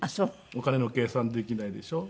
お金の計算できないでしょ。